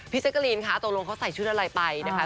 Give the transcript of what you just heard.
พี่แจ๊กกะลีนคะตรงลงเขาใส่ชุดอะไรไปนะคะ